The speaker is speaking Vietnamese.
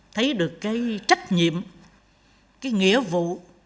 thấy được cái trách nhiệm cái nghĩa vụ